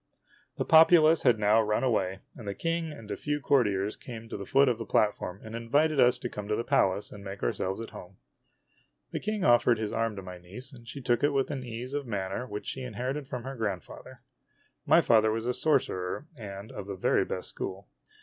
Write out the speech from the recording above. The populace had now run away, and the King and a few cour tiers came to the foot of the platform and invited us to come to the Palace and make ourselves at home. The King offered his arm to my niece, and she took it with an ease of manner which she inher ited from her grandfather. My father was a sorcerer, and of the very best school.